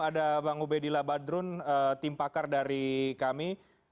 ada bang ubedillah badrun tim pakar dari kami